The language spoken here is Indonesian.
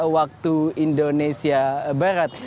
waktu indonesia barat